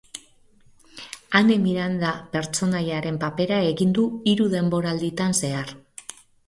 Ane Miranda pertsonaiaren papera egin du hiru denboralditan zehar.